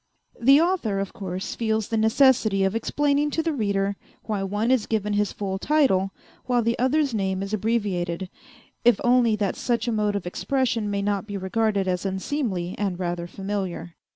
... The author of course, feels the necessity of explaining to the reader why one is given his full title, while the other's name is abbreviated, if only that such a mode of expression may not be regarded as unseemly and rather familiar.